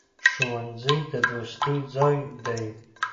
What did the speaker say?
ښوونځی د دوستۍ ځای دی.